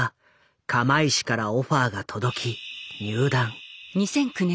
釜石からオファーが届き入団。